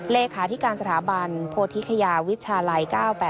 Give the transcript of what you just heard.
เลขาธิการสถาบันโพธิคยาวิชาลัย๙๘